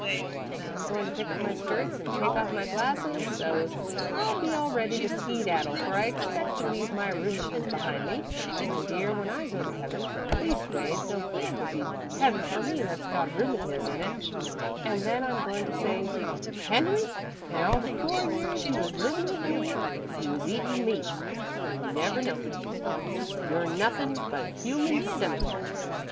I'm goin' to pick up my skirts an' take off my glasses, so's I'll be all ready to skedaddle, for I expect to leave my rheumatiz behind me, my dear, when I go to heaven leastways, no place will be heaven for me that's got rheumatiz in it an' then I'm goin' to say: 'Henry, in all the four years you was livin' with me, you was eatin' meat, an' you never knowed it. You're nothin' but a human cemetery.'